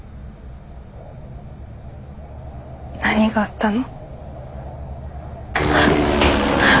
何があったの？